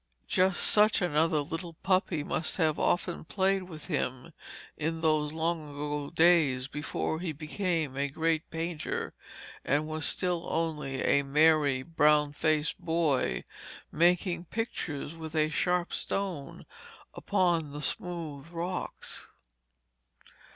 Just such another little puppy must have often played with him in those long ago days before he became a great painter and was still only a merry, brown faced boy, making pictures with a sharp stone upon the smooth rocks.